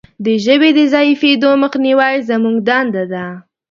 د ژبې د ضعیفیدو مخنیوی زموږ دنده ده.